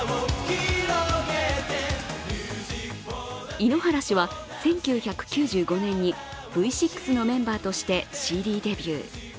井ノ原氏は１９９５年にＶ６のメンバーとしてＣＤデビュー。